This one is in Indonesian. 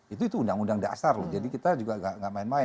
itu itu undang undang dasar loh jadi kita juga gak main main